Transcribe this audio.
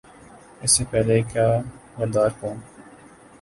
اس سے پہلے کہ "غدار کون؟